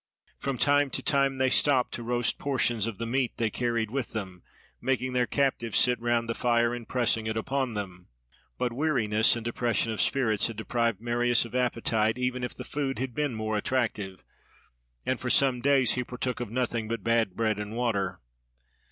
From time to time they stopped to roast portions of the meat they carried with them, making their captives sit round the fire, and pressing it upon them. But weariness and depression of spirits had deprived Marius of appetite, even if the food had been more attractive, and for some days he partook of nothing but bad bread and water.